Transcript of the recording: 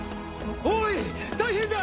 おい大変だ！